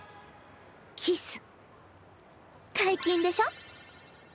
キス解禁でしょ？